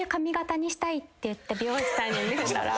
美容師さんに見せたら。